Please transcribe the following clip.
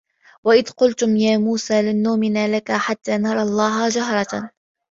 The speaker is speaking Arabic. وَإِذْ قُلْتُمْ يَا مُوسَىٰ لَنْ نُؤْمِنَ لَكَ حَتَّىٰ نَرَى اللَّهَ جَهْرَةً